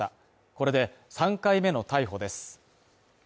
これで３回目の逮捕です。